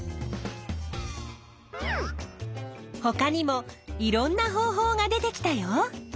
ほかにもいろんな方法が出てきたよ！